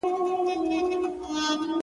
غربته ستا په شتون کي وسوه په ما,